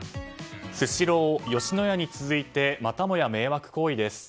スシロー、吉野家に続いてまたもや迷惑行為です。